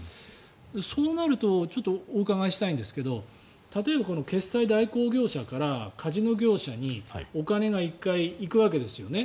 そうなるとお伺いしたいんですけど例えば、この決済代行業者からカジノ業者にお金が１回、行くわけですよね。